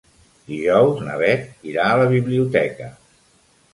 Dijous na Beth irà a la biblioteca.